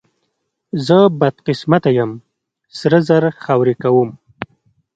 زه بدقسمته یم، سره زر خاورې کوم.